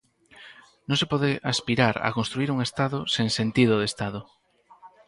Non se pode aspirar a construír un Estado sen sentido de Estado.